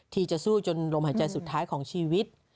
ที่จะสู้จนลมหายใจสุดท้ายของชีวิต